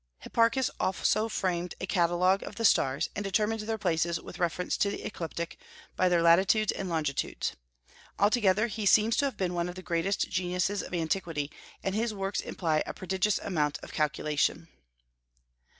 Hipparchus also framed a catalogue of the stars, and determined their places with reference to the ecliptic by their latitudes and longitudes. Altogether he seems to have been one of the greatest geniuses of antiquity, and his works imply a prodigious amount of calculation.